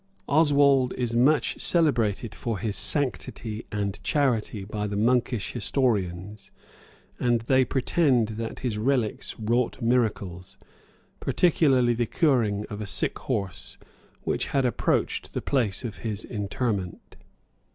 Oswald is much celebrated for his sanctity and charity by the monkish historians; and they pretend that his relics wrought miracles, particularly the curing of a sick horse, which had approached the place of his interment.